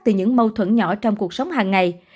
từ những mâu thuẫn nhỏ trong cuộc sống hàng ngày